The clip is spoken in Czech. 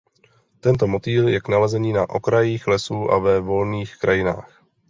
Tento motýl je k nalezení na okrajích lesů a ve volných krajinách.